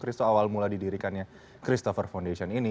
peristiwa awal mula didirikannya christopher foundation ini